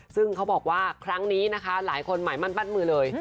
ซึ่งเขาบอกว่าครั้งนี้นะคะหลายคนใหม่มั่นปั้นมือเลย